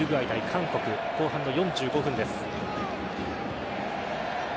韓国後半の４５分です。